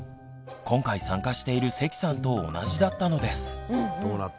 今回参加している関さんと同じだったのです。